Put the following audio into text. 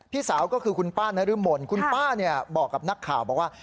พี่สาวก็คือคุณป้านรึหม่นคุณป้าเนี้ยบอกกับนักข่าวบอกว่า